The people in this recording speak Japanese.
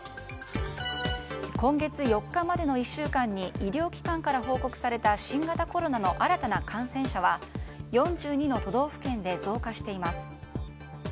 今月４日までの１週間に医療機関から報告された新型コロナの新たな感染者は４２の都道府県で増加しています。